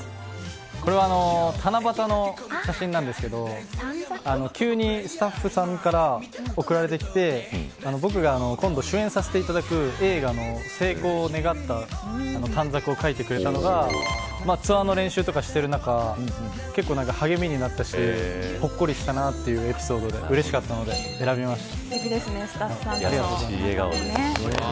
これは七夕の写真なんですけど急にスタッフさんから送られてきて僕が今度出演させていただく映画の成功を願った短冊を書いてくれたのがツアーの練習とかしている中結構励みになったしほっこりしたなというエピソードでうれしかったので選びました。